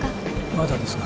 ・まだですが。